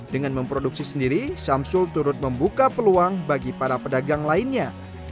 dengan memproduksi sendiri syamsul turut membuka peluang bagi para pedagang lainnya